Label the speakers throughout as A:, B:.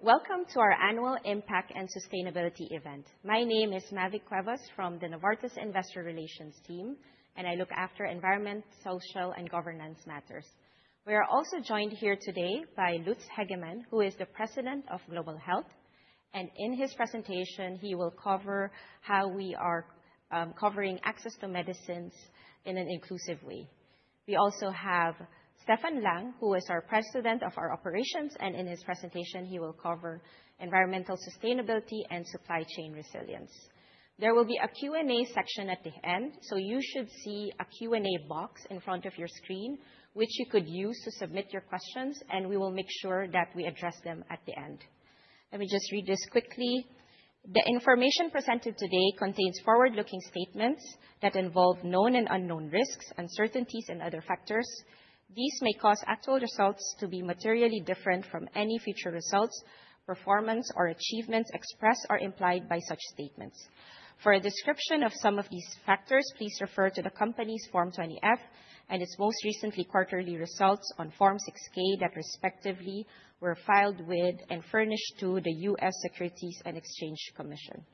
A: Hello, welcome to our annual Impact and Sustainability event. My name is Mavic Cuevas from the Novartis Investor Relations team, and I look after environment, social, and governance matters. We are also joined here today by Lutz Hegemann, who is the President of Global Health, and in his presentation, he will cover how we are covering access to medicines in an inclusive way. We also have Steffen Lang, who is our President of our Operations, and in his presentation, he will cover environmental sustainability and supply chain resilience. There will be a Q&A section at the end, so you should see a Q&A box in front of your screen, which you could use to submit your questions, and we will make sure that we address them at the end. Let me just read this quickly. The information presented today contains forward-looking statements that involve known and unknown risks, uncertainties, and other factors. These may cause actual results to be materially different from any future results, performance, or achievements expressed or implied by such statements. For a description of some of these factors, please refer to the company's Form 20-F and its most recent quarterly results on Form 6-K that respectively were filed with and furnished to the U.S. Securities and Exchange Commission.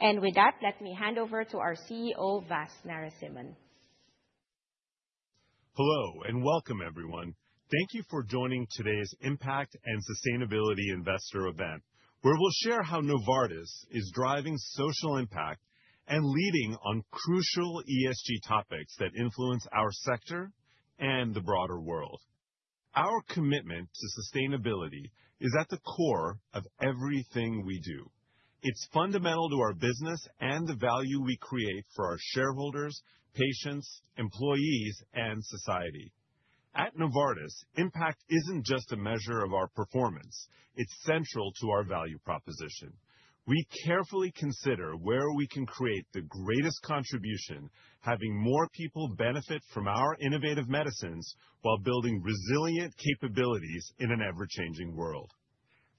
A: And with that, let me hand over to our CEO, Vasant Narasimhan.
B: Hello and welcome, everyone. Thank you for joining today's Impact and Sustainability Investor event, where we'll share how Novartis is driving social impact and leading on crucial ESG topics that influence our sector and the broader world. Our commitment to sustainability is at the core of everything we do. It's fundamental to our business and the value we create for our shareholders, patients, employees, and society. At Novartis, impact isn't just a measure of our performance. It's central to our value proposition. We carefully consider where we can create the greatest contribution, having more people benefit from our innovative medicines while building resilient capabilities in an ever-changing world.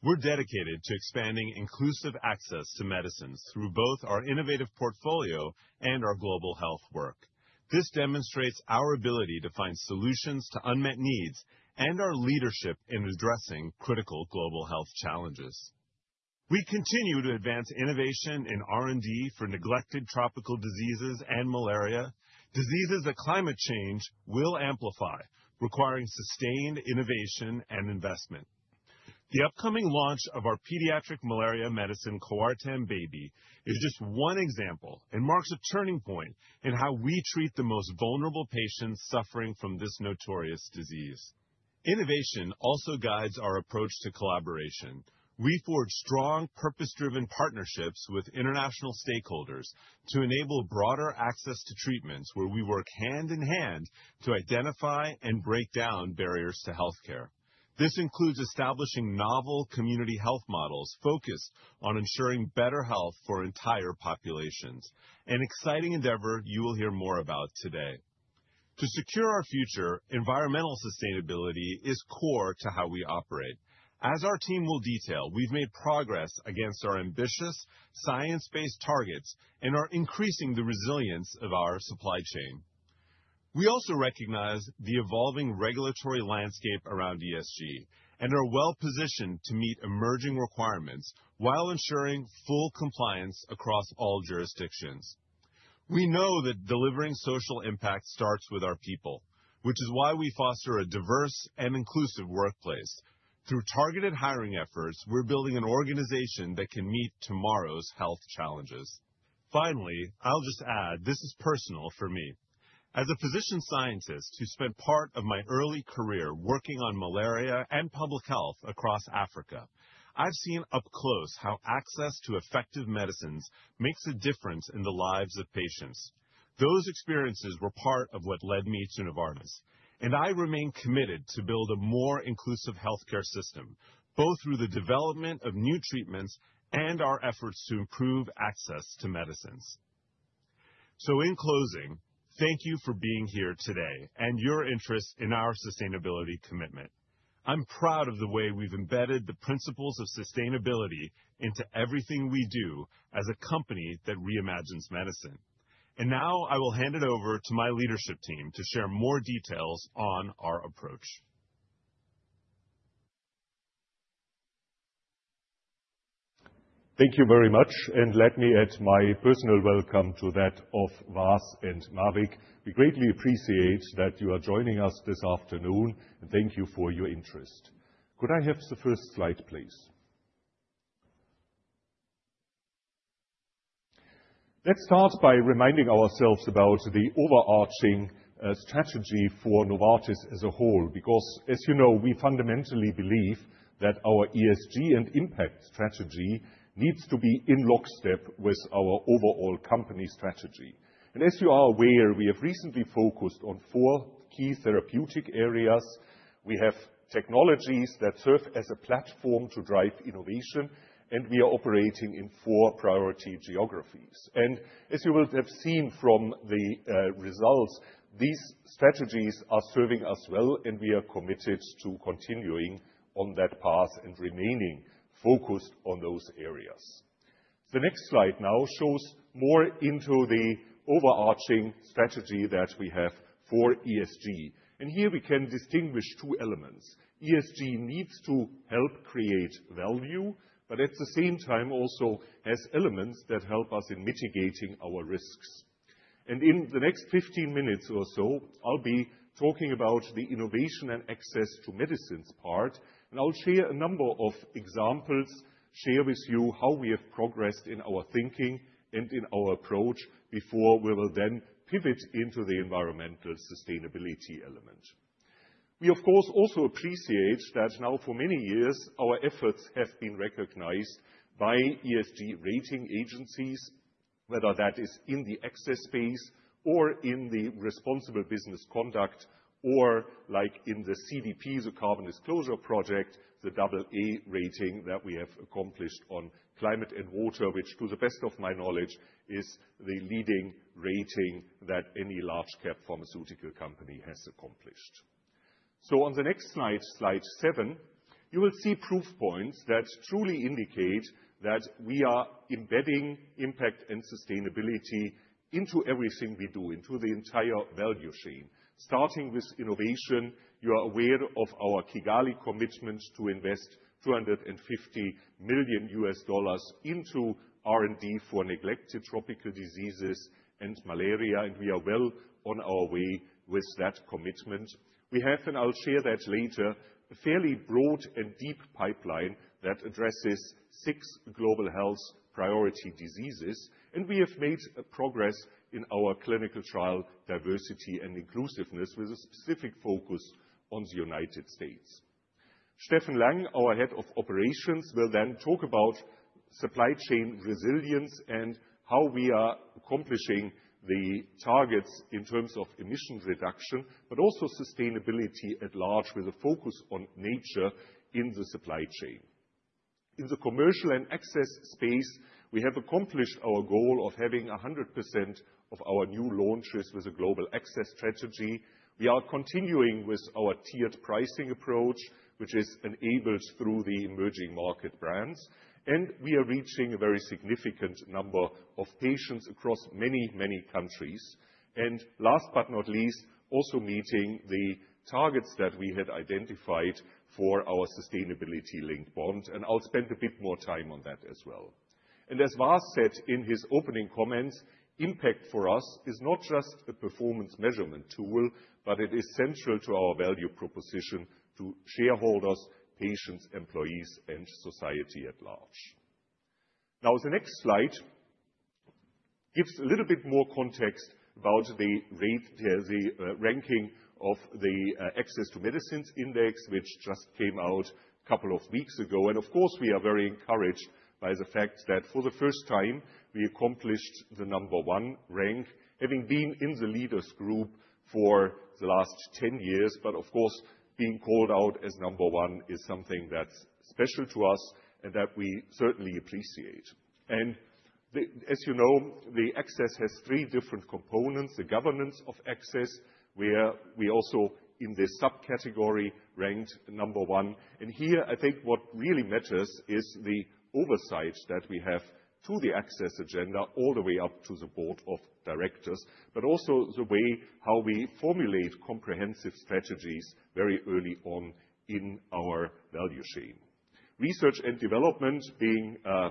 B: We're dedicated to expanding inclusive access to medicines through both our innovative portfolio and our global health work. This demonstrates our ability to find solutions to unmet needs and our leadership in addressing critical global health challenges. We continue to advance innovation in R&D for neglected tropical diseases and malaria, diseases that climate change will amplify, requiring sustained innovation and investment. The upcoming launch of our pediatric malaria medicine Coartem Baby is just one example and marks a turning point in how we treat the most vulnerable patients suffering from this notorious disease. Innovation also guides our approach to collaboration. We forge strong, purpose-driven partnerships with international stakeholders to enable broader access to treatments where we work hand in hand to identify and break down barriers to healthcare. This includes establishing novel community health models focused on ensuring better health for entire populations, an exciting endeavor you will hear more about today. To secure our future, environmental sustainability is core to how we operate. As our team will detail, we've made progress against our ambitious science-based targets and are increasing the resilience of our supply chain. We also recognize the evolving regulatory landscape around ESG and are well-positioned to meet emerging requirements while ensuring full compliance across all jurisdictions. We know that delivering social impact starts with our people, which is why we foster a diverse and inclusive workplace. Through targeted hiring efforts, we're building an organization that can meet tomorrow's health challenges. Finally, I'll just add, this is personal for me. As a physician scientist who spent part of my early career working on malaria and public health across Africa, I've seen up close how access to effective medicines makes a difference in the lives of patients. Those experiences were part of what led me to Novartis, and I remain committed to build a more inclusive healthcare system, both through the development of new treatments and our efforts to improve access to medicines. So in closing, thank you for being here today and your interest in our sustainability commitment. I'm proud of the way we've embedded the principles of sustainability into everything we do as a company that reimagines medicine. And now I will hand it over to my leadership team to share more details on our approach.
C: Thank you very much, and let me add my personal welcome to that of Vas and Mavic. We greatly appreciate that you are joining us this afternoon, and thank you for your interest. Could I have the first slide, please? Let's start by reminding ourselves about the overarching strategy for Novartis as a whole, because, as you know, we fundamentally believe that our ESG and impact strategy needs to be in lockstep with our overall company strategy, and as you are aware, we have recently focused on four key therapeutic areas. We have technologies that serve as a platform to drive innovation, and we are operating in four priority geographies, and as you will have seen from the results, these strategies are serving us well, and we are committed to continuing on that path and remaining focused on those areas. The next slide now shows more into the overarching strategy that we have for ESG. And here we can distinguish two elements. ESG needs to help create value, but at the same time also has elements that help us in mitigating our risks. And in the next 15 minutes or so, I'll be talking about the innovation and access to medicines part, and I'll share a number of examples, share with you how we have progressed in our thinking and in our approach before we will then pivot into the environmental sustainability element. We, of course, also appreciate that now for many years, our efforts have been recognized by ESG rating agencies, whether that is in the access space or in the responsible business conduct, or like in the CDP, the Carbon Disclosure Project, the double A rating that we have accomplished on climate and water, which, to the best of my knowledge, is the leading rating that any large-cap pharmaceutical company has accomplished. So on the next slide, slide seven, you will see proof points that truly indicate that we are embedding impact and sustainability into everything we do, into the entire value chain. Starting with innovation, you are aware of our Kigali Commitment to invest $250 million into R&D for neglected tropical diseases and malaria, and we are well on our way with that commitment. We have, and I'll share that later, a fairly broad and deep pipeline that addresses six global health priority diseases, and we have made progress in our clinical trial diversity and inclusiveness with a specific focus on the United States. Steffen Lang, our Head of Operations, will then talk about supply chain resilience and how we are accomplishing the targets in terms of emission reduction, but also sustainability at large with a focus on nature in the supply chain. In the commercial and access space, we have accomplished our goal of having 100% of our new launches with a global access strategy. We are continuing with our tiered pricing approach, which is enabled through the emerging market brands, and we are reaching a very significant number of patients across many, many countries. Last but not least, also meeting the targets that we had identified for our sustainability-linked bond, and I'll spend a bit more time on that as well. As Vas said in his opening comments, impact for us is not just a performance measurement tool, but it is central to our value proposition to shareholders, patients, employees, and society at large. Now, the next slide gives a little bit more context about the ranking of the Access to Medicines Index, which just came out a couple of weeks ago. Of course, we are very encouraged by the fact that for the first time, we accomplished the number one rank, having been in the leaders' group for the last 10 years. Of course, being called out as number one is something that's special to us and that we certainly appreciate. As you know, the access has three different components: the governance of access, where we also, in this subcategory, ranked number one. Here, I think what really matters is the oversight that we have to the access agenda all the way up to the board of directors, but also the way how we formulate comprehensive strategies very early on in our value chain. Research and development, being a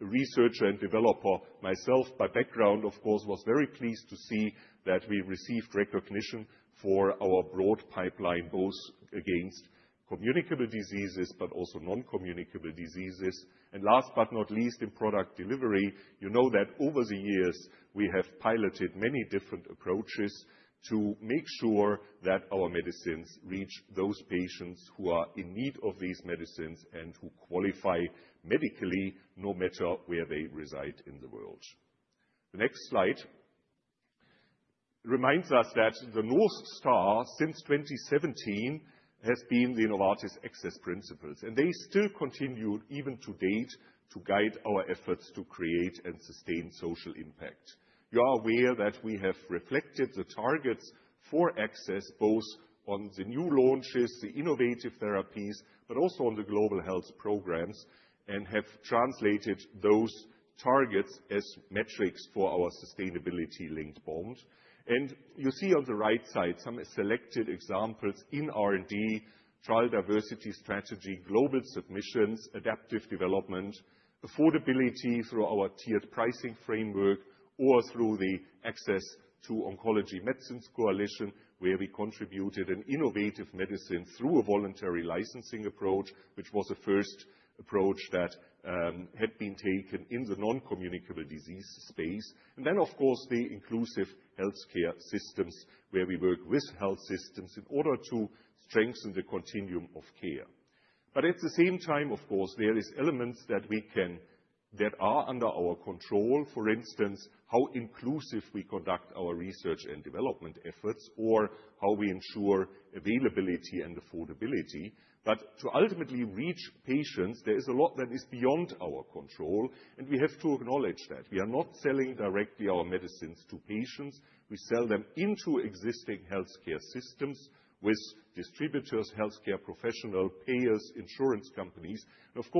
C: researcher and developer myself by background, of course, was very pleased to see that we received recognition for our broad pipeline, both against communicable diseases but also non-communicable diseases. Last but not least, in product delivery, you know that over the years, we have piloted many different approaches to make sure that our medicines reach those patients who are in need of these medicines and who qualify medically, no matter where they reside in the world. The next slide reminds us that the North Star since 2017 has been the Novartis Access Principles, and they still continue even to date to guide our efforts to create and sustain social impact. You are aware that we have reflected the targets for access both on the new launches, the innovative therapies, but also on the global health programs, and have translated those targets as metrics for our sustainability-linked bond, and you see on the right side some selected examples in R&D, trial diversity strategy, global submissions, adaptive development, affordability through our tiered pricing framework, or through the Access to Oncology Medicines Coalition, where we contributed an innovative medicine through a voluntary licensing approach, which was a first approach that had been taken in the non-communicable disease space. And then, of course, the inclusive healthcare systems, where we work with health systems in order to strengthen the continuum of care. But at the same time, of course, there are elements that are under our control, for instance, how inclusive we conduct our research and development efforts, or how we ensure availability and affordability. But to ultimately reach patients, there is a lot that is beyond our control, and we have to acknowledge that. We are not selling directly our medicines to patients. We sell them into existing healthcare systems with distributors, healthcare professionals, payers, insurance companies. And of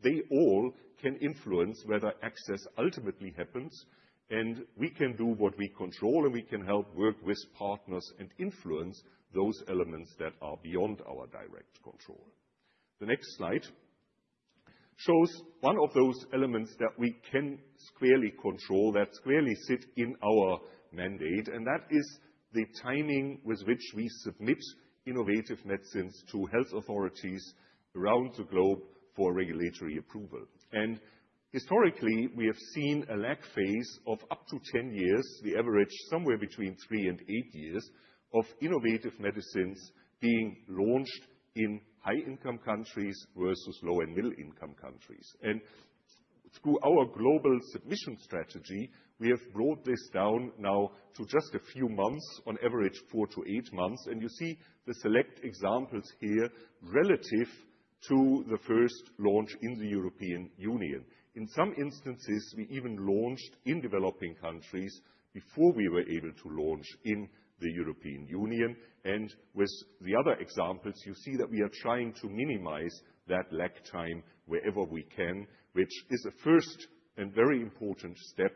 C: course, they all can influence whether access ultimately happens, and we can do what we control, and we can help work with partners and influence those elements that are beyond our direct control. The next slide shows one of those elements that we can squarely control, that squarely sit in our mandate, and that is the timing with which we submit innovative medicines to health authorities around the globe for regulatory approval. Historically, we have seen a lag phase of up to 10 years, the average somewhere between three and eight years of innovative medicines being launched in high-income countries versus low- and middle-income countries. Through our global submission strategy, we have brought this down now to just a few months, on average 4-8 months. You see the select examples here relative to the first launch in the European Union. In some instances, we even launched in developing countries before we were able to launch in the European Union. And with the other examples, you see that we are trying to minimize that lag time wherever we can, which is a first and very important step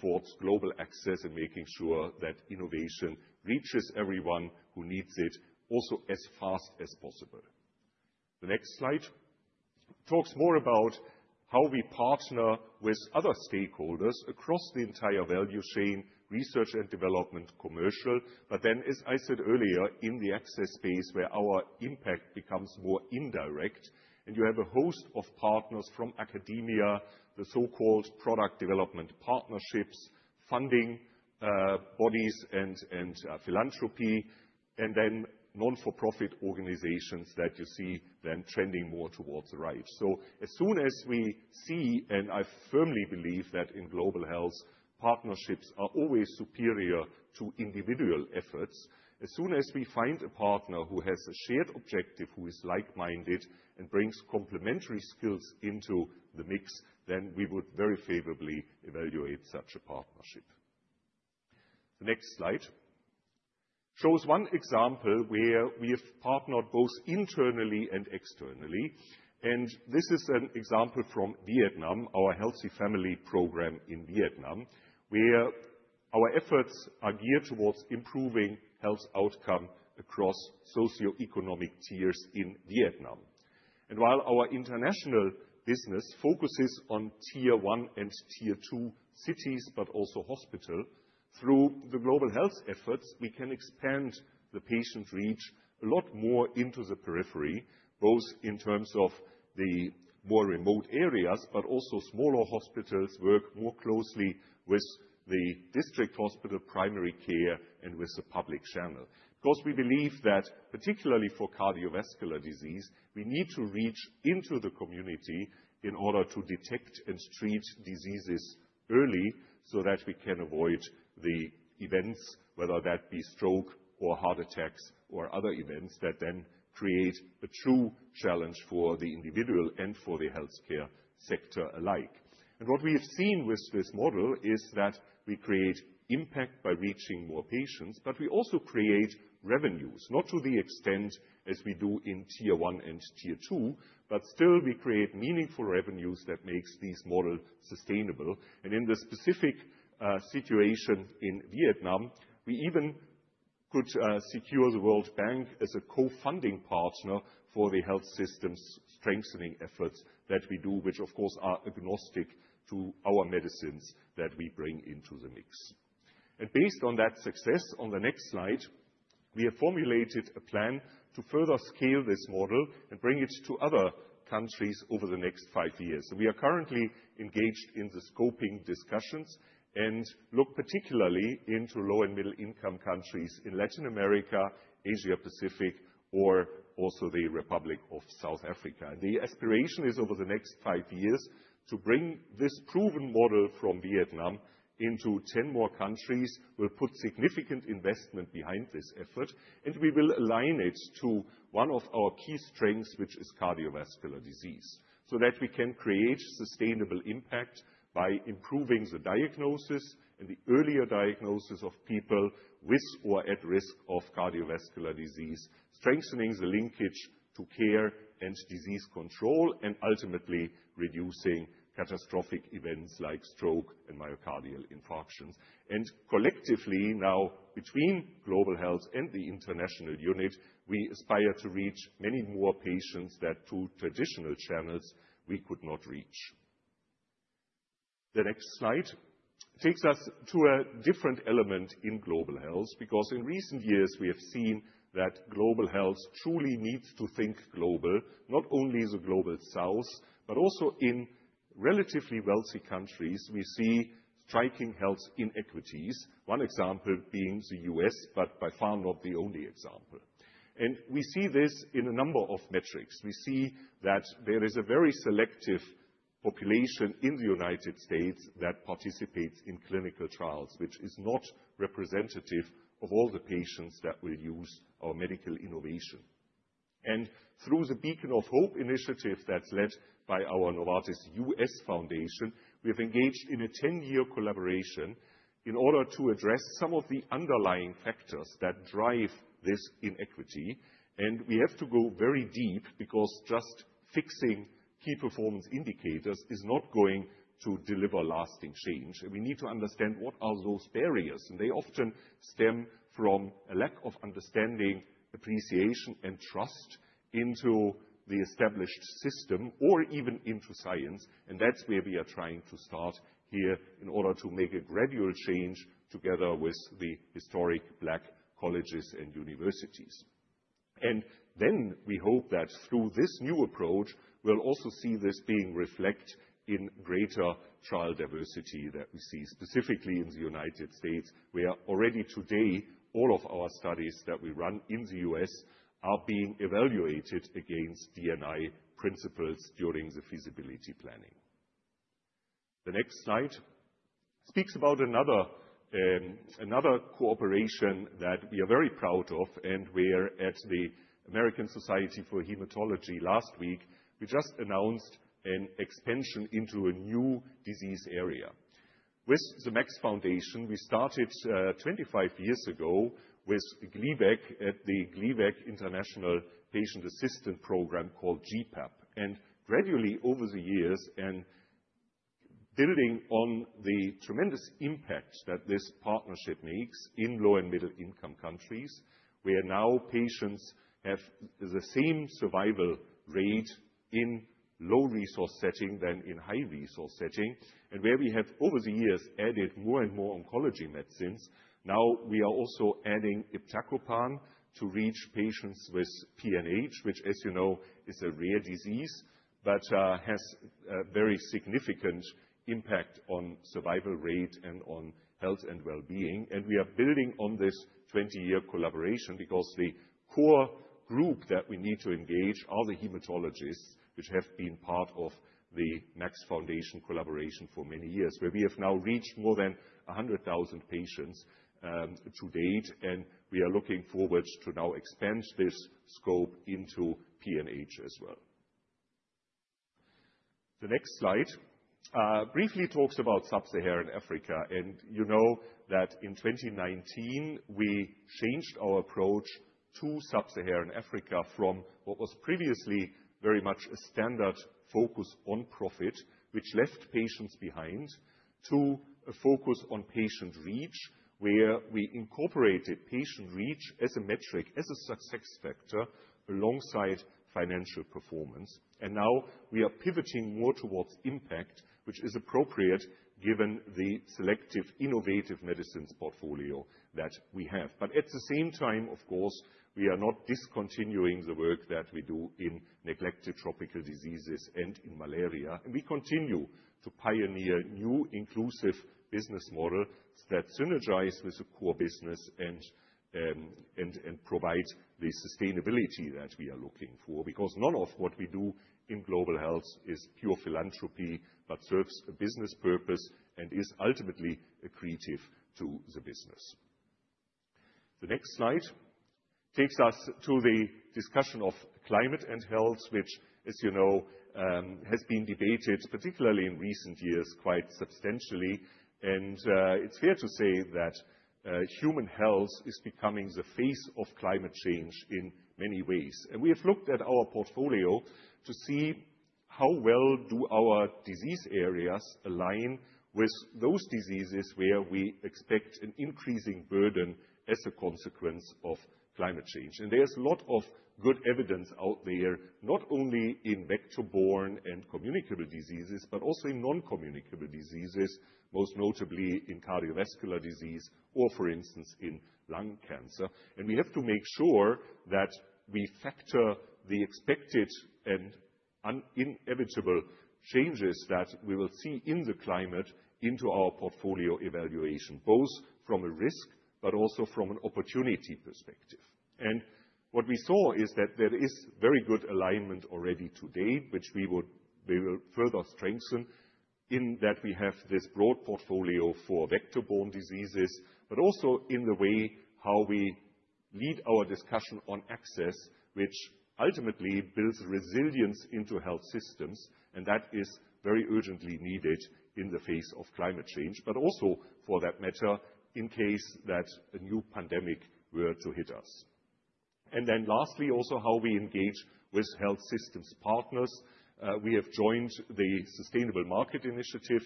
C: towards global access and making sure that innovation reaches everyone who needs it also as fast as possible. The next slide talks more about how we partner with other stakeholders across the entire value chain, research and development, commercial, but then, as I said earlier, in the access space where our impact becomes more indirect. And you have a host of partners from academia, the so-called product development partnerships, funding bodies, and philanthropy, and then nonprofit organizations that you see then trending more towards the right. So as soon as we see, and I firmly believe that in global health, partnerships are always superior to individual efforts. As soon as we find a partner who has a shared objective, who is like-minded and brings complementary skills into the mix, then we would very favorably evaluate such a partnership. The next slide shows one example where we have partnered both internally and externally. And this is an example from Vietnam, our Healthy Family Program in Vietnam, where our efforts are geared towards improving health outcomes across socioeconomic tiers in Vietnam. And while our international business focuses on tier one and tier two cities, but also hospitals, through the global health efforts, we can expand the patient reach a lot more into the periphery, both in terms of the more remote areas, but also smaller hospitals work more closely with the district hospital primary care and with the public channel. Because we believe that particularly for cardiovascular disease, we need to reach into the community in order to detect and treat diseases early so that we can avoid the events, whether that be stroke or heart attacks or other events that then create a true challenge for the individual and for the healthcare sector alike. And what we have seen with this model is that we create impact by reaching more patients, but we also create revenues, not to the extent as we do in tier one and tier two, but still we create meaningful revenues that make this model sustainable. And in the specific situation in Vietnam, we even could secure the World Bank as a co-funding partner for the health systems strengthening efforts that we do, which of course are agnostic to our medicines that we bring into the mix. Based on that success, on the next slide, we have formulated a plan to further scale this model and bring it to other countries over the next five years. We are currently engaged in the scoping discussions and look particularly into low and middle-income countries in Latin America, Asia-Pacific, or also the Republic of South Africa. The aspiration is over the next five years to bring this proven model from Vietnam into 10 more countries. We'll put significant investment behind this effort, and we will align it to one of our key strengths, which is cardiovascular disease, so that we can create sustainable impact by improving the diagnosis and the earlier diagnosis of people with or at risk of cardiovascular disease, strengthening the linkage to care and disease control, and ultimately reducing catastrophic events like stroke and myocardial infarctions. Collectively now, between global health and the international unit, we aspire to reach many more patients that through traditional channels we could not reach. The next slide takes us to a different element in global health, because in recent years, we have seen that global health truly needs to think global, not only the global south, but also in relatively wealthy countries, we see striking health inequities, one example being the U.S., but by far not the only example. We see this in a number of metrics. We see that there is a very selective population in the United States that participates in clinical trials, which is not representative of all the patients that will use our medical innovation. Through the Beacon of Hope initiative that's led by our Novartis US Foundation, we have engaged in a 10-year collaboration in order to address some of the underlying factors that drive this inequity. We have to go very deep because just fixing key performance indicators is not going to deliver lasting change. We need to understand what are those barriers. They often stem from a lack of understanding, appreciation, and trust into the established system or even into science. That's where we are trying to start here in order to make a gradual change together with the Historically Black Colleges and Universities. And then we hope that through this new approach, we'll also see this being reflected in greater trial diversity that we see specifically in the United States, where already today, all of our studies that we run in the U.S. are being evaluated against D&I principles during the feasibility planning. The next slide speaks about another cooperation that we are very proud of, and we're at the American Society of Hematology last week. We just announced an expansion into a new disease area. With The Max Foundation, we started 25 years ago with Gleevec at the Gleevec International Patient Assistance Program called GIPAP. Gradually over the years, and building on the tremendous impact that this partnership makes in low- and middle-income countries, where now patients have the same survival rate in low-resource setting than in high-resource setting, and where we have over the years added more and more oncology medicines, now we are also adding iptacopan to reach patients with PNH, which, as you know, is a rare disease but has a very significant impact on survival rate and on health and well-being. We are building on this 20-year collaboration because the core group that we need to engage are the hematologists, which have been part of the Max Foundation collaboration for many years, where we have now reached more than 100,000 patients to date, and we are looking forward to now expand this scope into PNH as well. The next slide briefly talks about Sub-Saharan Africa. You know that in 2019, we changed our approach to Sub-Saharan Africa from what was previously very much a standard focus on profit, which left patients behind, to a focus on patient reach, where we incorporated patient reach as a metric, as a success factor alongside financial performance. Now we are pivoting more towards impact, which is appropriate given the selective innovative medicines portfolio that we have. But at the same time, of course, we are not discontinuing the work that we do in neglected tropical diseases and in malaria. We continue to pioneer new inclusive business models that synergize with the core business and provide the sustainability that we are looking for, because none of what we do in global health is pure philanthropy, but serves a business purpose and is ultimately a credit to the business. The next slide takes us to the discussion of climate and health, which, as you know, has been debated particularly in recent years quite substantially, and it's fair to say that human health is becoming the face of climate change in many ways, and we have looked at our portfolio to see how well do our disease areas align with those diseases where we expect an increasing burden as a consequence of climate change, and there's a lot of good evidence out there, not only in vector-borne and communicable diseases, but also in non-communicable diseases, most notably in cardiovascular disease or, for instance, in lung cancer, and we have to make sure that we factor the expected and inevitable changes that we will see in the climate into our portfolio evaluation, both from a risk but also from an opportunity perspective. And what we saw is that there is very good alignment already today, which we will further strengthen in that we have this broad portfolio for vector-borne diseases, but also in the way how we lead our discussion on access, which ultimately builds resilience into health systems, and that is very urgently needed in the face of climate change, but also for that matter in case that a new pandemic were to hit us. And then lastly, also how we engage with health systems partners. We have joined the Sustainable Markets Initiative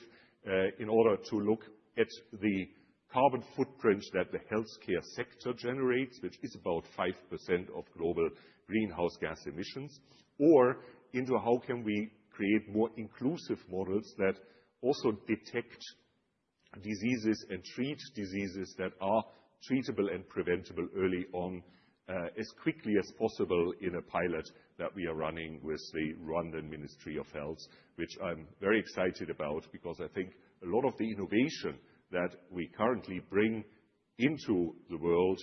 C: in order to look at the carbon footprint that the healthcare sector generates, which is about 5% of global greenhouse gas emissions, or into how can we create more inclusive models that also detect diseases and treat diseases that are treatable and preventable early on as quickly as possible in a pilot that we are running with the Rwandan Ministry of Health, which I'm very excited about because I think a lot of the innovation that we currently bring into the world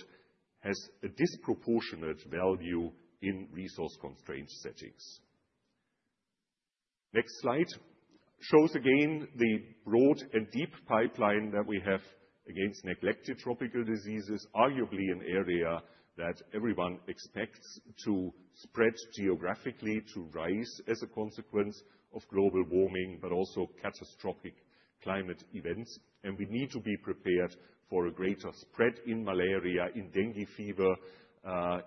C: has a disproportionate value in resource-constrained settings. Next slide shows again the broad and deep pipeline that we have against neglected tropical diseases, arguably an area that everyone expects to spread geographically to rise as a consequence of global warming, but also catastrophic climate events. We need to be prepared for a greater spread in malaria, in dengue fever,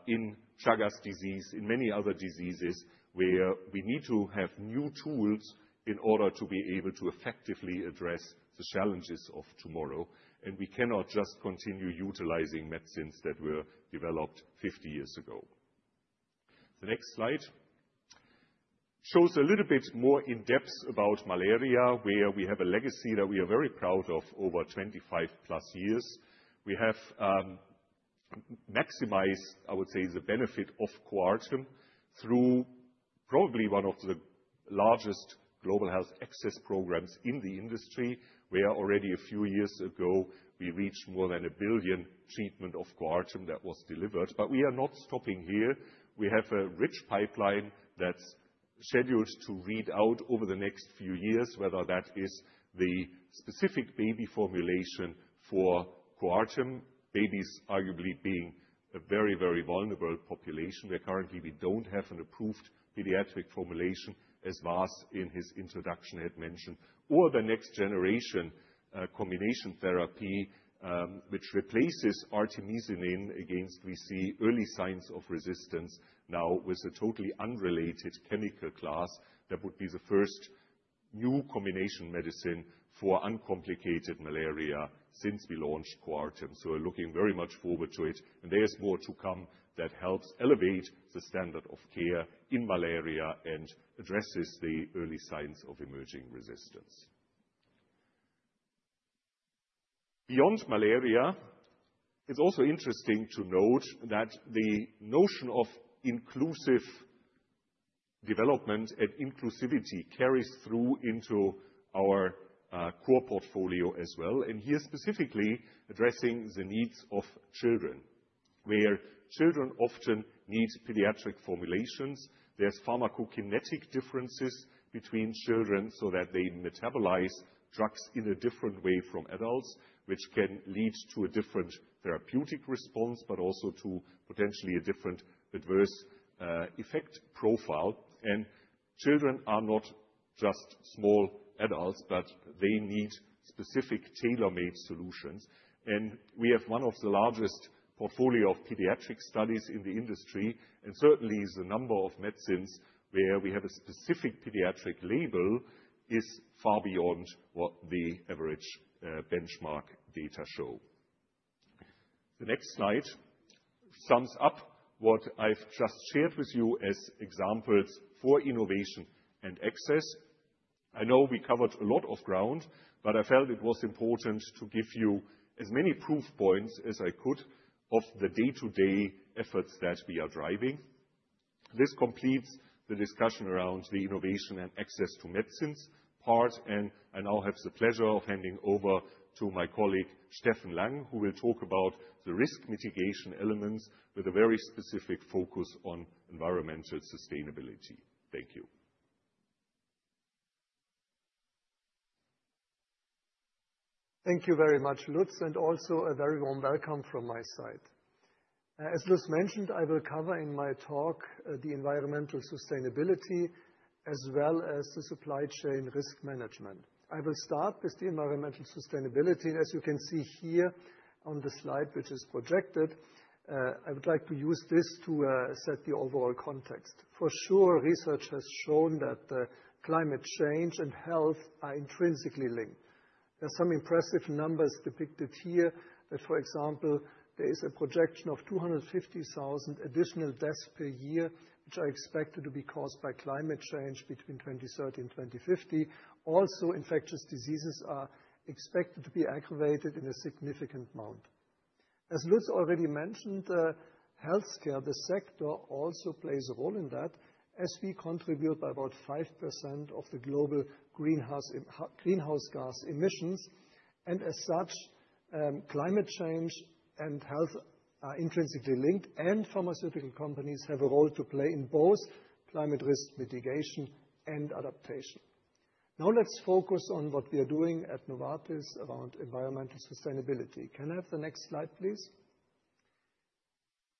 C: in Chagas disease, in many other diseases where we need to have new tools in order to be able to effectively address the challenges of tomorrow. We cannot just continue utilizing medicines that were developed 50 years ago. The next slide shows a little bit more in depth about malaria, where we have a legacy that we are very proud of over 25+ years. We have maximized, I would say, the benefit of Coartem through probably one of the largest global health access programs in the industry, where already a few years ago, we reached more than a billion treatments of Coartem that were delivered. We are not stopping here. We have a rich pipeline that's scheduled to read out over the next few years, whether that is the specific baby formulation for Coartem, babies arguably being a very, very vulnerable population. Where currently, we don't have an approved pediatric formulation, as Vas in his introduction had mentioned, or the next generation combination therapy, which replaces artemisinin against which we see early signs of resistance now with a totally unrelated chemical class that would be the first new combination medicine for uncomplicated malaria since we launched Coartem. So we're looking very much forward to it. And there's more to come that helps elevate the standard of care in malaria and addresses the early signs of emerging resistance. Beyond malaria, it's also interesting to note that the notion of inclusive development and inclusivity carries through into our core portfolio as well, and here specifically addressing the needs of children, where children often need pediatric formulations. There's pharmacokinetic differences between children so that they metabolize drugs in a different way from adults, which can lead to a different therapeutic response, but also to potentially a different adverse effect profile, and children are not just small adults, but they need specific tailor-made solutions, and we have one of the largest portfolios of pediatric studies in the industry, and certainly, the number of medicines where we have a specific pediatric label is far beyond what the average benchmark data show. The next slide sums up what I've just shared with you as examples for innovation and access. I know we covered a lot of ground, but I felt it was important to give you as many proof points as I could of the day-to-day efforts that we are driving. This completes the discussion around the innovation and access to medicines part, and I now have the pleasure of handing over to my colleague Steffen Lang, who will talk about the risk mitigation elements with a very specific focus on environmental sustainability. Thank you.
D: Thank you very much, Lutz, and also a very warm welcome from my side. As Lutz mentioned, I will cover in my talk the environmental sustainability as well as the supply chain risk management. I will start with the environmental sustainability, and as you can see here on the slide, which is projected, I would like to use this to set the overall context. For sure, research has shown that climate change and health are intrinsically linked. There are some impressive numbers depicted here that, for example, there is a projection of 250,000 additional deaths per year, which are expected to be caused by climate change between 2030 and 2050. Also, infectious diseases are expected to be aggravated in a significant amount. As Lutz already mentioned, healthcare, the sector, also plays a role in that as we contribute by about 5% of the global greenhouse gas emissions. As such, climate change and health are intrinsically linked, and pharmaceutical companies have a role to play in both climate risk mitigation and adaptation. Now let's focus on what we are doing at Novartis around environmental sustainability. Can I have the next slide, please?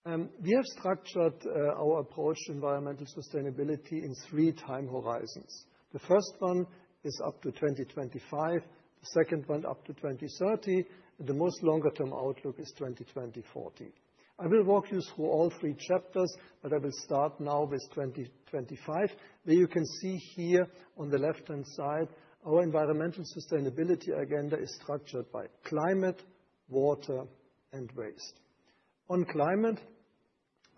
D: We have structured our approach to environmental sustainability in three time horizons. The first one is up to 2025, the second one up to 2030, and the most longer-term outlook is 2040. I will walk you through all three chapters, but I will start now with 2025, where you can see here on the left-hand side, our environmental sustainability agenda is structured by climate, water, and waste. On climate,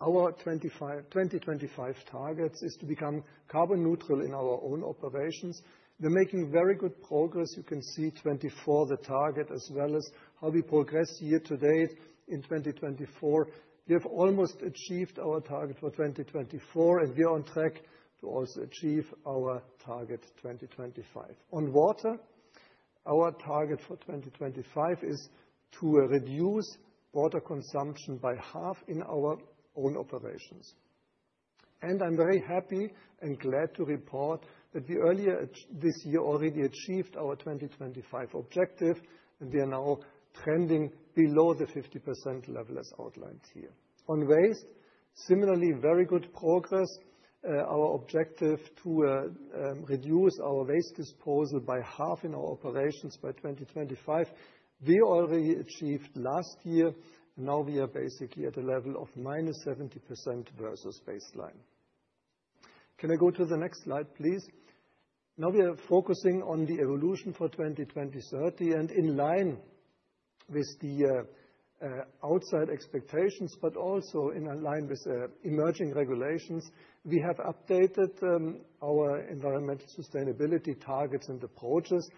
D: our 2025 target is to become carbon neutral in our own operations. We're making very good progress. You can see 2024, the target, as well as how we progress year to date in 2024. We have almost achieved our target for 2024, and we are on track to also achieve our target 2025. On water, our target for 2025 is to reduce water consumption by half in our own operations. And I'm very happy and glad to report that we earlier this year already achieved our 2025 objective, and we are now trending below the 50% level as outlined here. On waste, similarly, very good progress. Our objective to reduce our waste disposal by half in our operations by 2025, we already achieved last year, and now we are basically at a level of -70% versus baseline. Can I go to the next slide, please? Now we are focusing on the evolution for 2020-2030, and in line with the outside expectations, but also in line with emerging regulations, we have updated our environmental sustainability targets and approaches,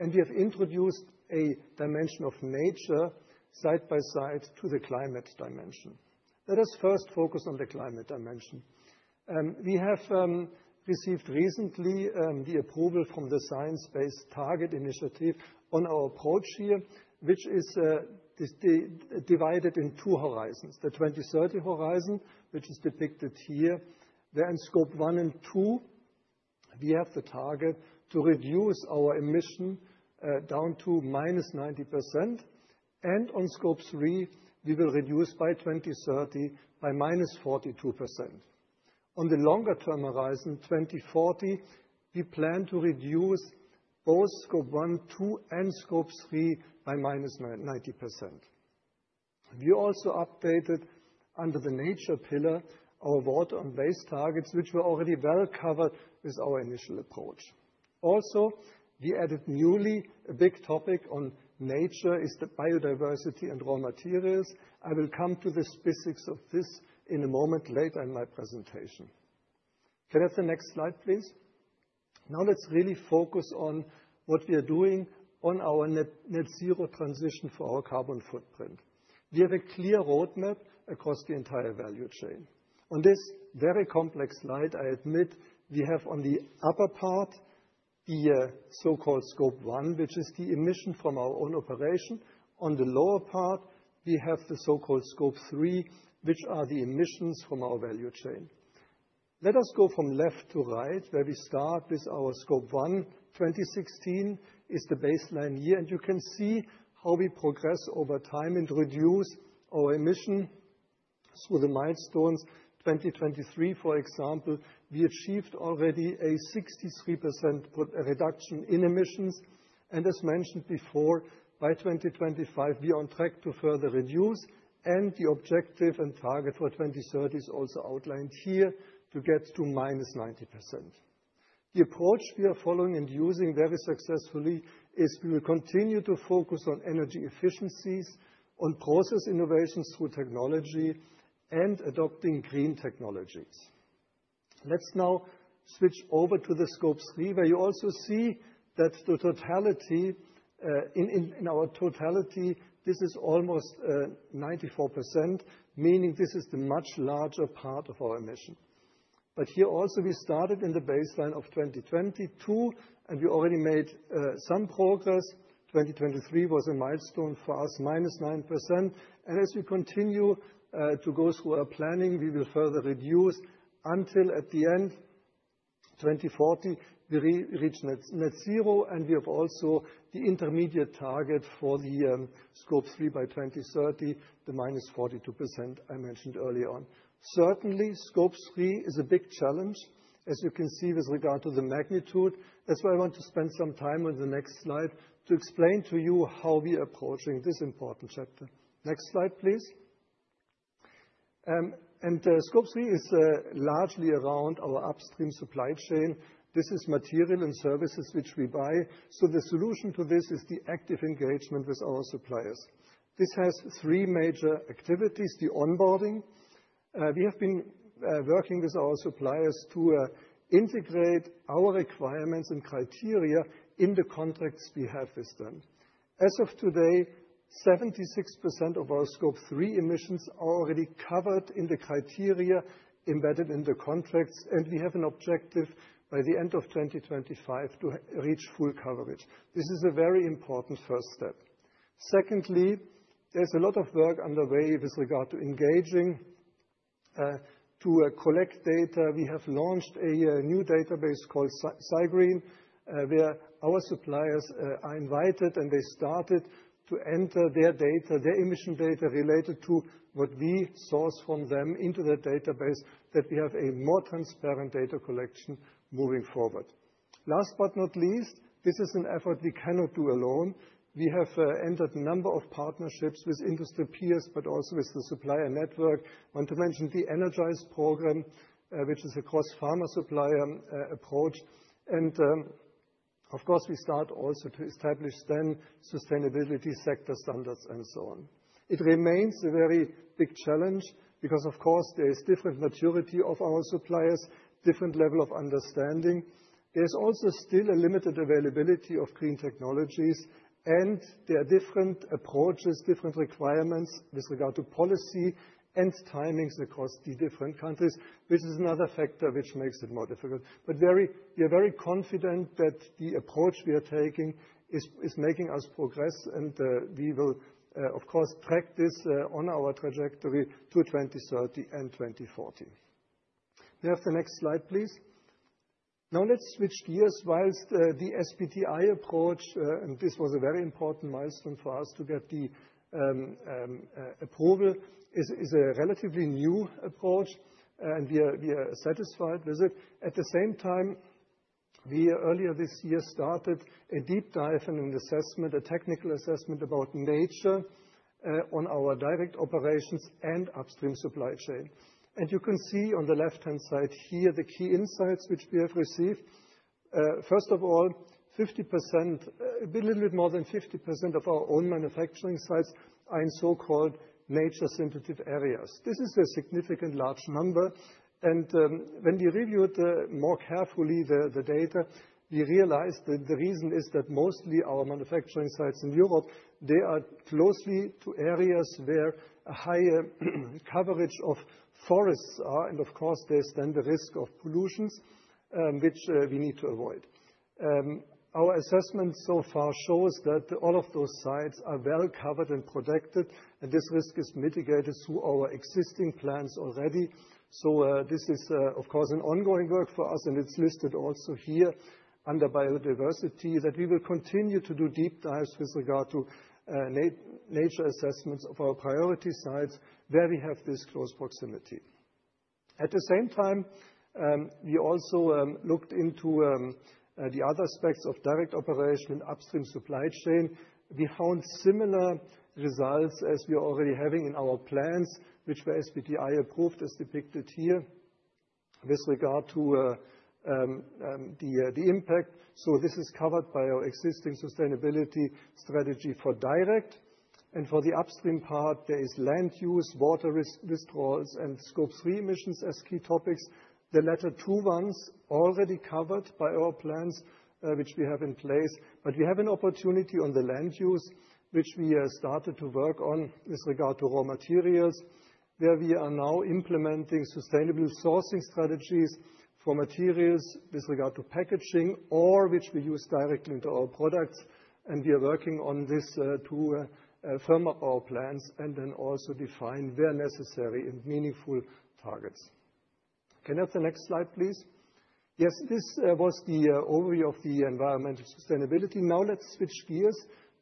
D: and we have introduced a dimension of nature side by side to the climate dimension. Let us first focus on the climate dimension. We have received recently the approval from the Science Based Targets initiative on our approach here, which is divided in two horizons: the 2030 horizon, which is depicted here, where in Scope 1 and 2, we have the target to reduce our emissions down to -90%, and on Scope 3, we will reduce by 2030 by -42%. On the longer-term horizon, 2040, we plan to reduce both Scope 1, 2, and Scope 3 by -90%. We also updated under the Nature pillar our water and waste targets, which were already well covered with our initial approach. Also, we added newly a big topic on nature: biodiversity and raw materials. I will come to the specifics of this in a moment later in my presentation. Can I have the next slide, please? Now let's really focus on what we are doing on our net zero transition for our carbon footprint. We have a clear roadmap across the entire value chain. On this very complex slide, I admit we have on the upper part the so-called Scope 1, which is the emission from our own operation. On the lower part, we have the so-called Scope 3, which are the emissions from our value chain. Let us go from left to right, where we start with our Scope 1. 2016 is the baseline year, and you can see how we progress over time and reduce our emission through the milestones. 2023, for example, we achieved already a 63% reduction in emissions. As mentioned before, by 2025, we are on track to further reduce, and the objective and target for 2030 is also outlined here to get to -90%. The approach we are following and using very successfully is we will continue to focus on energy efficiencies, on process innovations through technology, and adopting green technologies. Let's now switch over to the Scope 3, where you also see that the totality in our totality, this is almost 94%, meaning this is the much larger part of our emission. But here also, we started in the baseline of 2022, and we already made some progress. 2023 was a milestone for us, -9%. As we continue to go through our planning, we will further reduce until at the end, 2040, we reach net zero, and we have also the intermediate target for the Scope 3 by 2030, the -42% I mentioned earlier on. Certainly, Scope 3 is a big challenge, as you can see with regard to the magnitude. That's why I want to spend some time on the next slide to explain to you how we are approaching this important chapter. Next slide, please. Scope 3 is largely around our upstream supply chain. This is material and services which we buy. So the solution to this is the active engagement with our suppliers. This has three major activities: the onboarding. We have been working with our suppliers to integrate our requirements and criteria in the contracts we have with them. As of today, 76% of our Scope 3 emissions are already covered in the criteria embedded in the contracts, and we have an objective by the end of 2025 to reach full coverage. This is a very important first step. Secondly, there's a lot of work underway with regard to engaging to collect data. We have launched a new database called SiGREEN, where our suppliers are invited, and they started to enter their data, their emission data related to what we source from them into the database that we have a more transparent data collection moving forward. Last but not least, this is an effort we cannot do alone. We have entered a number of partnerships with industry peers, but also with the supplier network. I want to mention the Energize program, which is a cross-pharma supplier approach. And of course, we start also to establish then sustainability sector standards and so on. It remains a very big challenge because, of course, there is different maturity of our suppliers, different level of understanding. There's also still a limited availability of green technologies, and there are different approaches, different requirements with regard to policy and timings across the different countries, which is another factor which makes it more difficult. But we are very confident that the approach we are taking is making us progress, and we will, of course, track this on our trajectory to 2030 and 2040. May I have the next slide, please? Now let's switch gears while the SBTi approach, and this was a very important milestone for us to get the approval, is a relatively new approach, and we are satisfied with it. At the same time, we earlier this year started a deep dive and an assessment, a technical assessment about nature on our direct operations and upstream supply chain. And you can see on the left-hand side here the key insights which we have received. First of all, 50%, a little bit more than 50% of our own manufacturing sites are in so-called nature-sensitive areas. This is a significant large number. And when we reviewed more carefully the data, we realized that the reason is that mostly our manufacturing sites in Europe, they are close to areas where a higher coverage of forests are, and of course, there's then the risk of pollution, which we need to avoid. Our assessment so far shows that all of those sites are well covered and protected, and this risk is mitigated through our existing plans already. So this is, of course, an ongoing work for us, and it's listed also here under biodiversity that we will continue to do deep dives with regard to nature assessments of our priority sites where we have this close proximity. At the same time, we also looked into the other aspects of direct operation and upstream supply chain. We found similar results as we are already having in our plans, which were SBTi approved, as depicted here, with regard to the impact. So this is covered by our existing sustainability strategy for direct. And for the upstream part, there is land use, water withdrawals, and Scope 3 emissions as key topics. The latter two ones are already covered by our plans which we have in place, but we have an opportunity on the land use, which we started to work on with regard to raw materials, where we are now implementing sustainable sourcing strategies for materials with regard to packaging or which we use directly into our products. And we are working on this to firm up our plans and then also define where necessary and meaningful targets. Can I have the next slide, please? Yes, this was the overview of the environmental sustainability. Now let's switch gears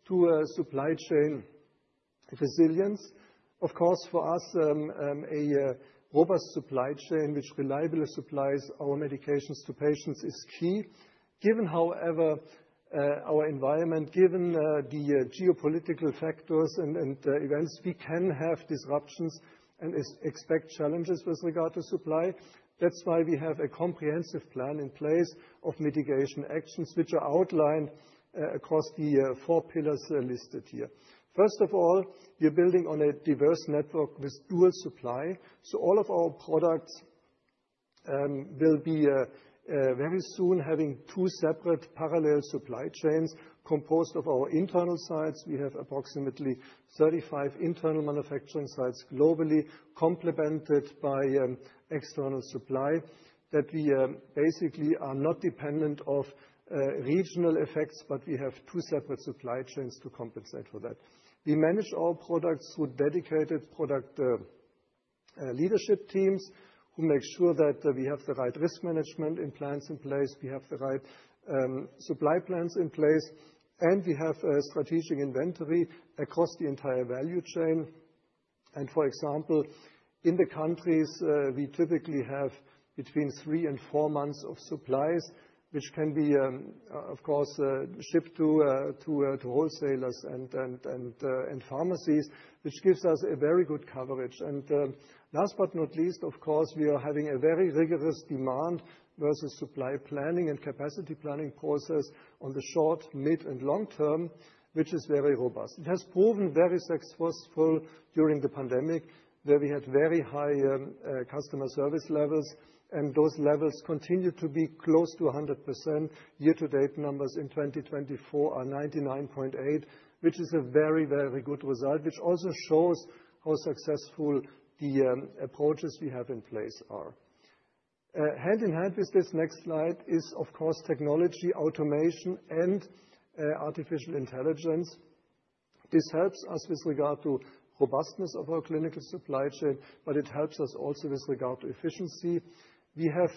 D: to supply chain resilience. Of course, for us, a robust supply chain which reliably supplies our medications to patients is key. Given, however, our environment, given the geopolitical factors and events, we can have disruptions and expect challenges with regard to supply. That's why we have a comprehensive plan in place of mitigation actions which are outlined across the four pillars listed here. First of all, we are building on a diverse network with dual supply, so all of our products will be very soon having two separate parallel supply chains composed of our internal sites. We have approximately 35 internal manufacturing sites globally, complemented by external supply that we basically are not dependent on regional effects, but we have two separate supply chains to compensate for that. We manage our products through dedicated product leadership teams who make sure that we have the right risk management plans in place, we have the right supply plans in place, and we have a strategic inventory across the entire value chain. For example, in the countries, we typically have between three and four months of supplies, which can be, of course, shipped to wholesalers and pharmacies, which gives us a very good coverage. Last but not least, of course, we are having a very rigorous demand versus supply planning and capacity planning process on the short, mid, and long term, which is very robust. It has proven very successful during the pandemic, where we had very high customer service levels, and those levels continue to be close to 100%. Year-to-date numbers in 2024 are 99.8%, which is a very, very good result, which also shows how successful the approaches we have in place are. Hand in hand with this next slide is, of course, technology, automation, and artificial intelligence. This helps us with regard to robustness of our clinical supply chain, but it helps us also with regard to efficiency. We have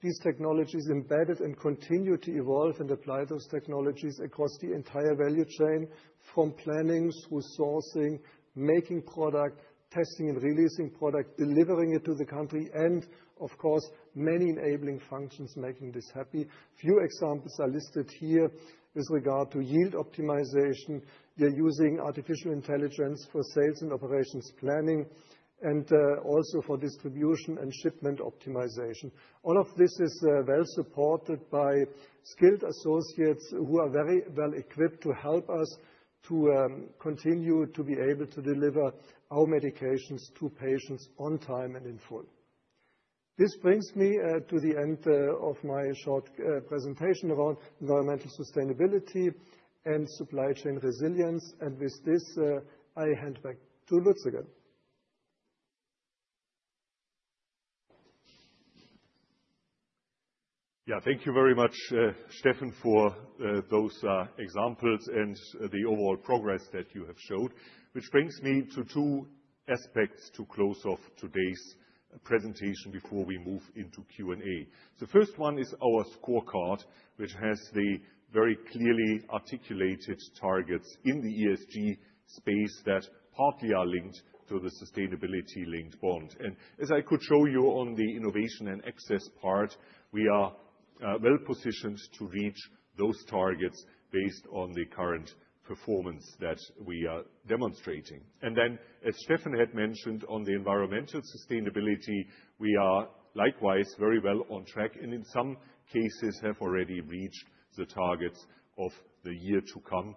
D: these technologies embedded and continue to evolve and apply those technologies across the entire value chain, from planning through sourcing, making product, testing and releasing product, delivering it to the country, and of course, many enabling functions making this happen. Few examples are listed here with regard to yield optimization. We are using artificial intelligence for sales and operations planning, and also for distribution and shipment optimization. All of this is well supported by skilled associates who are very well equipped to help us to continue to be able to deliver our medications to patients on time and in full. This brings me to the end of my short presentation around environmental sustainability and supply chain resilience, and with this, I hand back to Lutz again.
C: Yeah, thank you very much, Steffen, for those examples and the overall progress that you have showed, which brings me to two aspects to close off today's presentation before we move into Q&A. The first one is our scorecard, which has the very clearly articulated targets in the ESG space that partly are linked to the sustainability-linked bond. And as I could show you on the innovation and access part, we are well positioned to reach those targets based on the current performance that we are demonstrating. And then, as Steffen had mentioned, on the environmental sustainability, we are likewise very well on track and in some cases have already reached the targets of the year to come,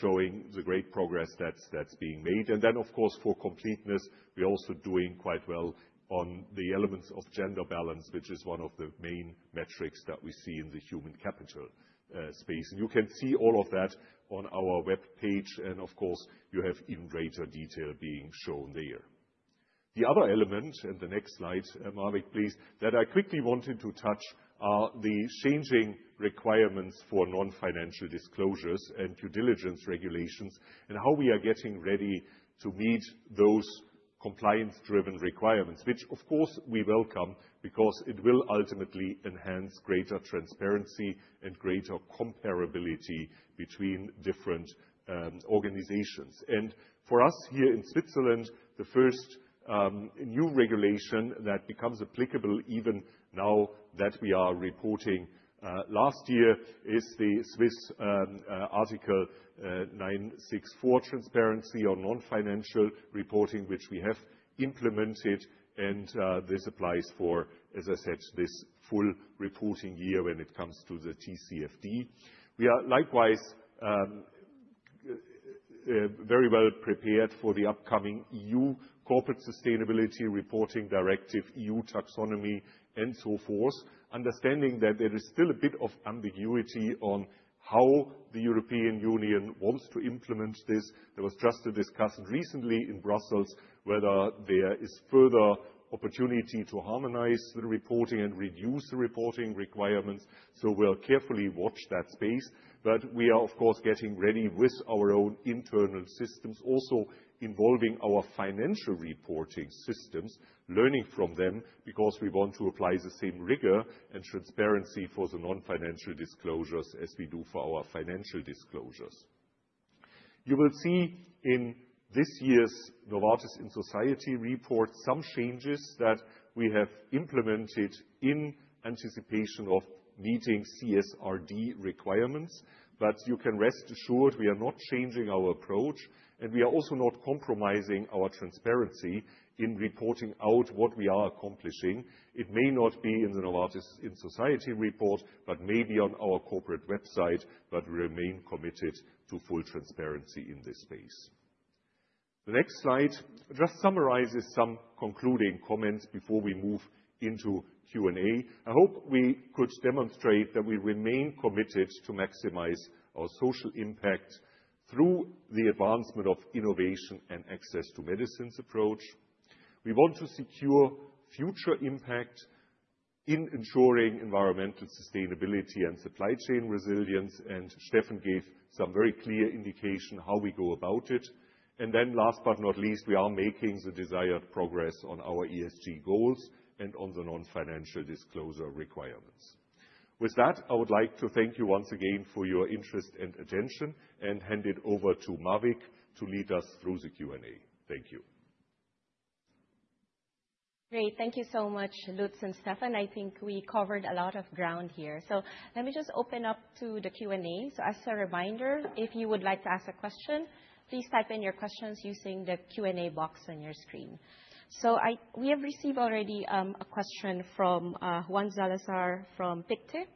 C: showing the great progress that's being made. Then, of course, for completeness, we are also doing quite well on the elements of gender balance, which is one of the main metrics that we see in the human capital space. You can see all of that on our webpage, and of course, you have even greater detail being shown there. The other element, and the next slide, Mavic, please, that I quickly wanted to touch are the changing requirements for non-financial disclosures and due diligence regulations and how we are getting ready to meet those compliance-driven requirements, which, of course, we welcome because it will ultimately enhance greater transparency and greater comparability between different organizations. For us here in Switzerland, the first new regulation that becomes applicable even now that we are reporting last year is the Swiss Article 964 transparency on non-financial reporting, which we have implemented, and this applies for, as I said, this full reporting year when it comes to the TCFD. We are likewise very well prepared for the upcoming EU Corporate Sustainability Reporting Directive, EU Taxonomy, and so forth, understanding that there is still a bit of ambiguity on how the European Union wants to implement this. There was just a discussion recently in Brussels whether there is further opportunity to harmonize the reporting and reduce the reporting requirements. We'll carefully watch that space. But we are, of course, getting ready with our own internal systems, also involving our financial reporting systems, learning from them because we want to apply the same rigor and transparency for the non-financial disclosures as we do for our financial disclosures. You will see in this year's Novartis in Society report some changes that we have implemented in anticipation of meeting CSRD requirements, but you can rest assured we are not changing our approach, and we are also not compromising our transparency in reporting out what we are accomplishing. It may not be in the Novartis in Society report, but maybe on our corporate website, but we remain committed to full transparency in this space. The next slide just summarizes some concluding comments before we move into Q&A. I hope we could demonstrate that we remain committed to maximize our social impact through the advancement of innovation and access to medicines approach. We want to secure future impact in ensuring environmental sustainability and supply chain resilience, and Steffen gave some very clear indication how we go about it. Then last but not least, we are making the desired progress on our ESG goals and on the non-financial disclosure requirements. With that, I would like to thank you once again for your interest and attention and hand it over to Mavic to lead us through the Q&A. Thank you.
A: Great. Thank you so much, Lutz and Steffen. I think we covered a lot of ground here. So let me just open up to the Q&A. As a reminder, if you would like to ask a question, please type in your questions using the Q&A box on your screen. We have received already a question from Juan Salazar from Pictet,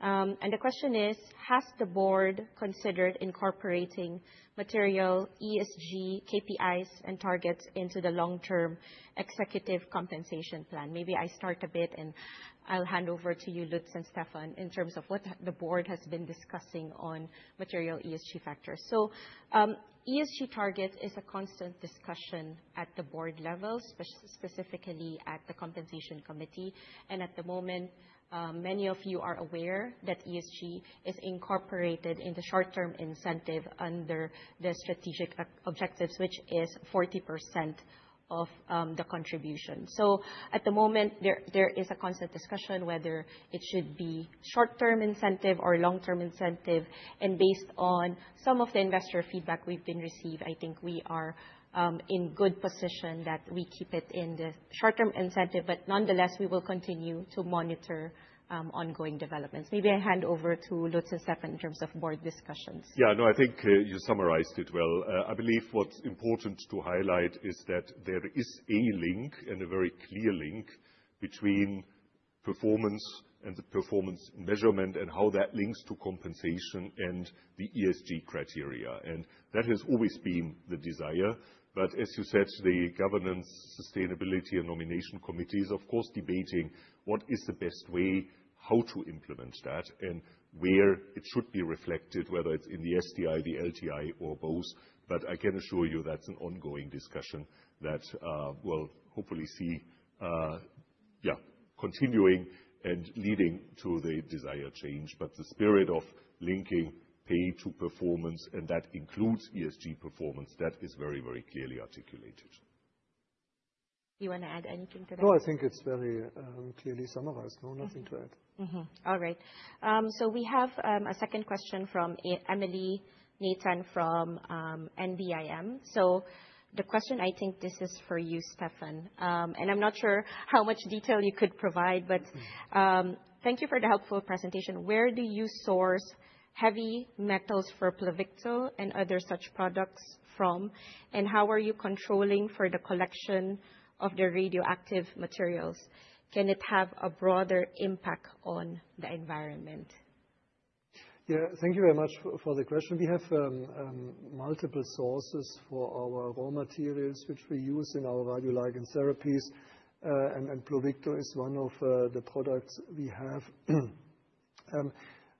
A: and the question is, has the board considered incorporating material ESG KPIs and targets into the long-term executive compensation plan? Maybe I start a bit and I'll hand over to you, Lutz and Steffen, in terms of what the board has been discussing on material ESG factors. ESG targets is a constant discussion at the board level, specifically at the Compensation Committee. And at the moment, many of you are aware that ESG is incorporated in the short-term incentive under the strategic objectives, which is 40% of the contribution. At the moment, there is a constant discussion whether it should be short-term incentive or long-term incentive. Based on some of the investor feedback we've received, I think we are in a good position to keep it in the short-term incentive, but nonetheless, we will continue to monitor ongoing developments. Maybe I hand over to Lutz and Steffen in terms of board discussions.
C: Yeah, no, I think you summarized it well. I believe what's important to highlight is that there is a link and a very clear link between performance and the performance measurement and how that links to compensation and the ESG criteria. And that has always been the desire. But as you said, the Governance, Sustainability, and Nomination Committee is, of course, debating what is the best way, how to implement that, and where it should be reflected, whether it's in the STI, the LTI, or both.
B: But I can assure you that's an ongoing discussion that we'll hopefully see, yeah, continuing and leading to the desired change. But the spirit of linking pay to performance and that includes ESG performance, that is very, very clearly articulated.
A: Do you want to add anything to that?
D: No, I think it's very clearly summarized. No, nothing to add.
A: All right. So we have a second question from Emily Nathan from NBIM. So the question, I think this is for you, Steffen, and I'm not sure how much detail you could provide, but thank you for the helpful presentation. Where do you source heavy metals for Pluvicto and other such products from? And how are you controlling for the collection of the radioactive materials? Can it have a broader impact on the environment?
D: Yeah, thank you very much for the question. We have multiple sources for our raw materials which we use in our radioligand therapies, and Pluvicto is one of the products we have.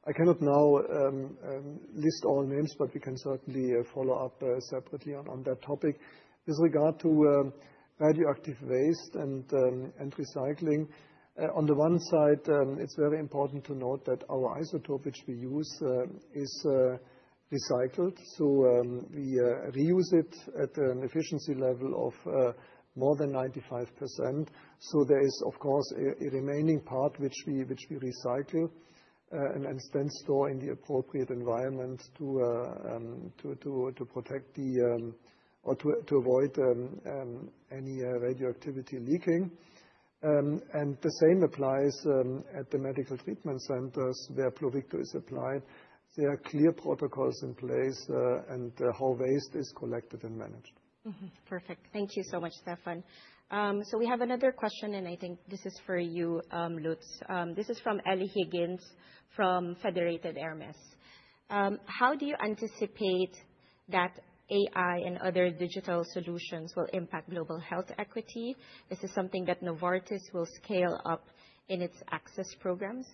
D: I cannot now list all names, but we can certainly follow up separately on that topic. With regard to radioactive waste and recycling, on the one side, it's very important to note that our isotope which we use is recycled. So we reuse it at an efficiency level of more than 95%. So there is, of course, a remaining part which we recycle and then store in the appropriate environment to protect the or to avoid any radioactivity leaking. And the same applies at the medical treatment centers where Pluvicto is applied. There are clear protocols in place and how waste is collected and managed.
A: Perfect. Thank you so much, Steffen. So we have another question, and I think this is for you, Lutz. This is from Ellie Higgins from Federated Hermes. How do you anticipate that AI and other digital solutions will impact global health equity? Is this something that Novartis will scale up in its access programs?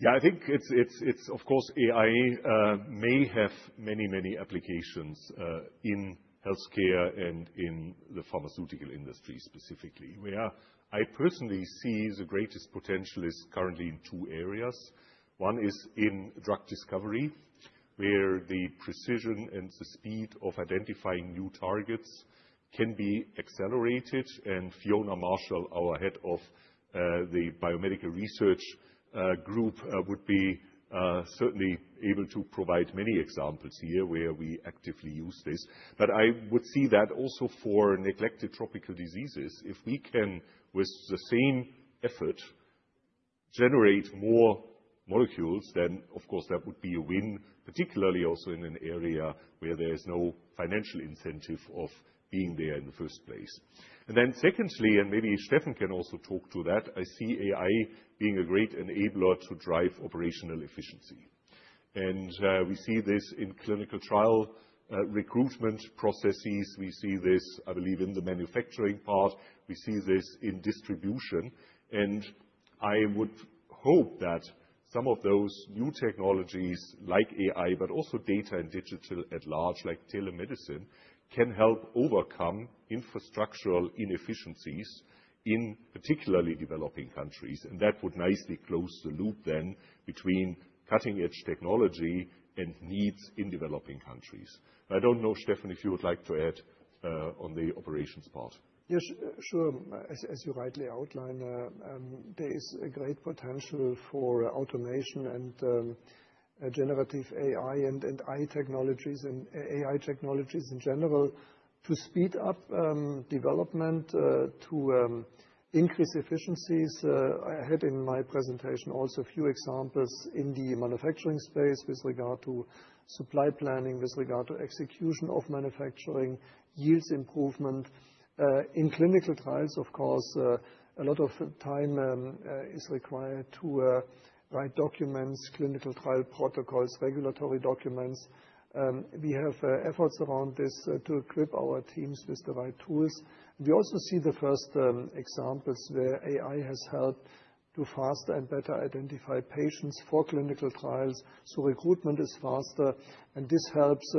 C: Yeah, I think it's, of course, AI may have many, many applications in healthcare and in the pharmaceutical industry specifically, where I personally see the greatest potential is currently in two areas. One is in drug discovery, where the precision and the speed of identifying new targets can be accelerated. And Fiona Marshall, our head of the biomedical research group, would be certainly able to provide many examples here where we actively use this. But I would see that also for neglected tropical diseases. If we can, with the same effort, generate more molecules, then, of course, that would be a win, particularly also in an area where there is no financial incentive of being there in the first place, and then secondly, and maybe Steffen can also talk to that, I see AI being a great enabler to drive operational efficiency, and we see this in clinical trial recruitment processes. We see this, I believe, in the manufacturing part. We see this in distribution, and I would hope that some of those new technologies like AI, but also data and digital at large, like telemedicine, can help overcome infrastructural inefficiencies particularly in developing countries, and that would nicely close the loop then between cutting-edge technology and needs in developing countries. I don't know, Steffen, if you would like to add on the operations part.
D: Yes, sure. As you rightly outlined, there is a great potential for automation and generative AI and AI technologies in general to speed up development, to increase efficiencies. I had in my presentation also a few examples in the manufacturing space with regard to supply planning, with regard to execution of manufacturing, yields improvement. In clinical trials, of course, a lot of time is required to write documents, clinical trial protocols, regulatory documents. We have efforts around this to equip our teams with the right tools. We also see the first examples where AI has helped to faster and better identify patients for clinical trials, so recruitment is faster, and this helps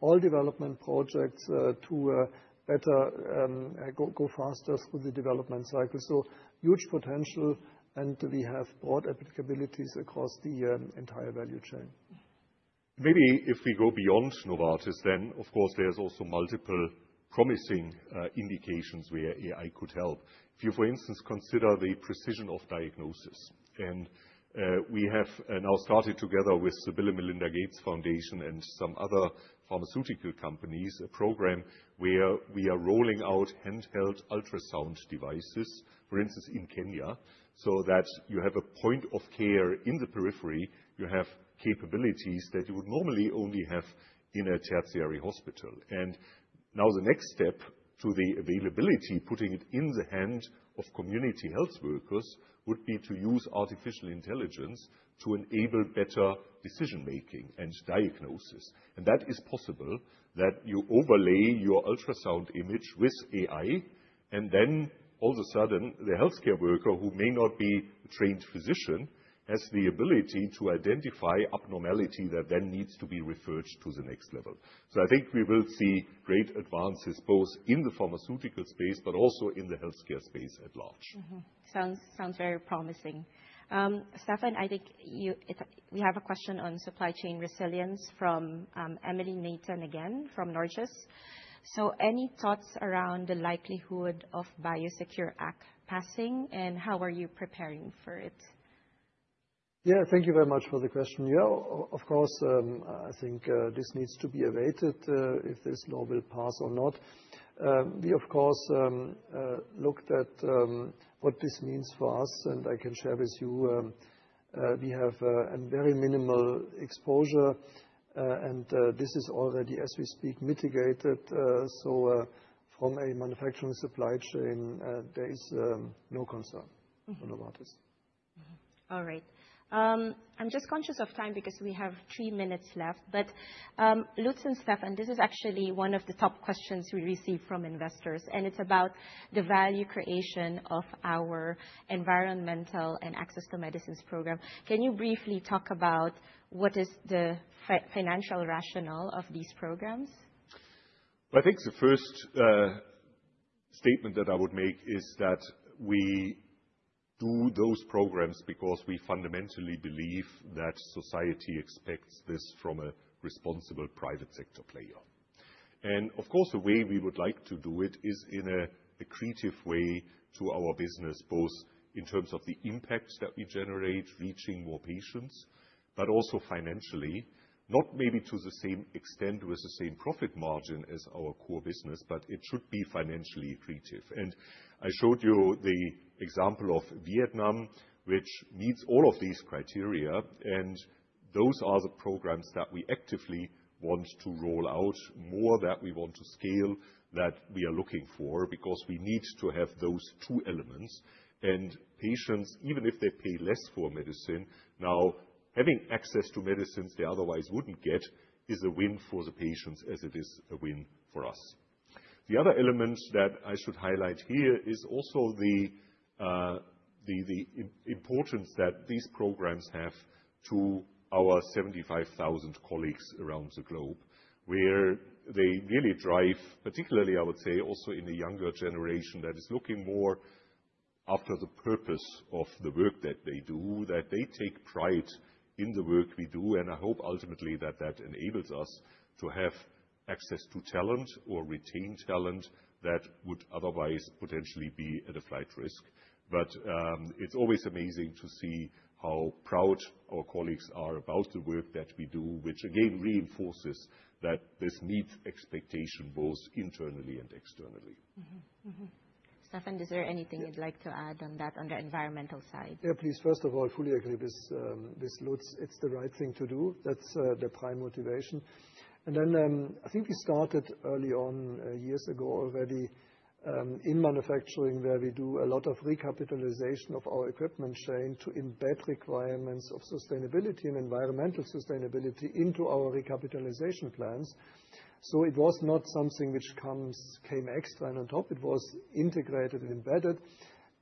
D: all development projects to better go faster through the development cycle, so huge potential, and we have broad applicabilities across the entire value chain.
C: Maybe if we go beyond Novartis, then of course, there's also multiple promising indications where AI could help. If you, for instance, consider the precision of diagnosis, and we have now started together with the Bill and Melinda Gates Foundation and some other pharmaceutical companies a program where we are rolling out handheld ultrasound devices, for instance, in Kenya, so that you have a point of care in the periphery. You have capabilities that you would normally only have in a tertiary hospital, and now the next step to the availability, putting it in the hand of community health workers, would be to use artificial intelligence to enable better decision-making and diagnosis. That is possible that you overlay your ultrasound image with AI, and then all of a sudden, the healthcare worker, who may not be a trained physician, has the ability to identify abnormality that then needs to be referred to the next level. So I think we will see great advances both in the pharmaceutical space, but also in the healthcare space at large.
A: Sounds very promising. Steffen, I think we have a question on supply chain resilience from Emily Nathan again from Norges. So any thoughts around the likelihood of BIOSECURE Act passing, and how are you preparing for it?
D: Yeah, thank you very much for the question. Yeah, of course, I think this needs to be awaited if this law will pass or not. We, of course, looked at what this means for us, and I can share with you we have a very minimal exposure, and this is already, as we speak, mitigated. So from a manufacturing supply chain, there is no concern for Novartis.
A: All right. I'm just conscious of time because we have three minutes left. But Lutz and Steffen, this is actually one of the top questions we receive from investors, and it's about the value creation of our environmental and access to medicines program. Can you briefly talk about what is the financial rationale of these programs?
C: Well, I think the first statement that I would make is that we do those programs because we fundamentally believe that society expects this from a responsible private sector player. And of course, the way we would like to do it is in a creative way to our business, both in terms of the impact that we generate, reaching more patients, but also financially, not maybe to the same extent with the same profit margin as our core business, but it should be financially creative. And I showed you the example of Vietnam, which meets all of these criteria, and those are the programs that we actively want to roll out, more that we want to scale that we are looking for because we need to have those two elements. And patients, even if they pay less for medicine, now having access to medicines they otherwise wouldn't get is a win for the patients as it is a win for us.
B: The other element that I should highlight here is also the importance that these programs have to our 75,000 colleagues around the globe, where they really drive, particularly, I would say, also in the younger generation that is looking more after the purpose of the work that they do, that they take pride in the work we do. And I hope ultimately that that enables us to have access to talent or retain talent that would otherwise potentially be at a flight risk. But it's always amazing to see how proud our colleagues are about the work that we do, which again reinforces that this meets expectation both internally and externally.
A: Steffen, is there anything you'd like to add on that, on the environmental side?
D: Yeah, please. First of all, I fully agree with Lutz. It's the right thing to do. That's the prime motivation. And then I think we started early on years ago already in manufacturing, where we do a lot of recapitalization of our equipment chain to embed requirements of sustainability and environmental sustainability into our recapitalization plans. So it was not something which came extra and on top. It was integrated and embedded.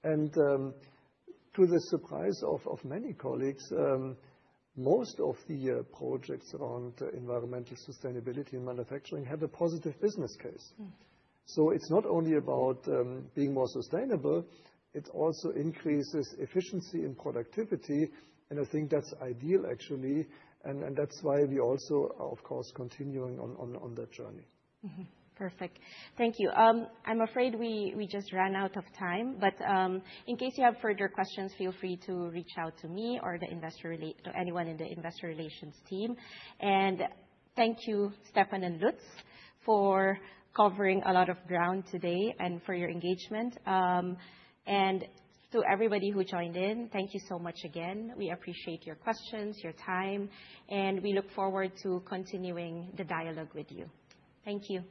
D: And to the surprise of many colleagues, most of the projects around environmental sustainability in manufacturing have a positive business case. So it's not only about being more sustainable, it also increases efficiency and productivity. And I think that's ideal, actually. And that's why we also, of course, are continuing on that journey.
A: Perfect. Thank you. I'm afraid we just ran out of time, but in case you have further questions, feel free to reach out to me or anyone in the investor relations team. Thank you, Steffen and Lutz, for covering a lot of ground today and for your engagement. To everybody who joined in, thank you so much again. We appreciate your questions, your time, and we look forward to continuing the dialogue with you. Thank you.